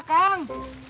ah ini ada kang